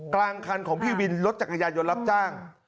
กลางคันของพี่วินรถจักรยานยนต์รับจ้าง